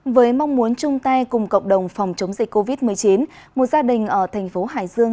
với mong muốn chung tay cùng cộng đồng phòng chống dịch covid một mươi chín một gia đình ở thành phố hải dương